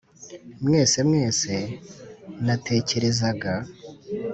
mwese mwese natekerezaga '.